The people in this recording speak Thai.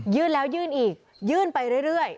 ยื่นแล้วยื่นอีกยื่นไปเรื่อย